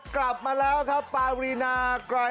ใครน่ะ